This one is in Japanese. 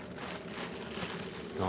何？